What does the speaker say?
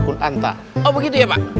pun anta oh begitu ya pak